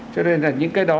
cho nên là những cái đó